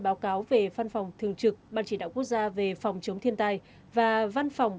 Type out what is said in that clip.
báo cáo về văn phòng thường trực ban chỉ đạo quốc gia về phòng chống thiên tai và văn phòng